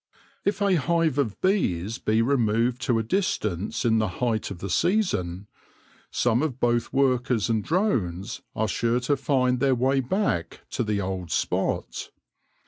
If a hive of bees be removed to a distance in the height of the season, some of both workers and drones are sure to find their way back to the old spot.